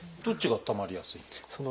どっちがたまりやすいんですか？